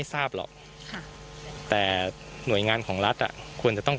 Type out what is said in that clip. เจ้าของบ้านนอน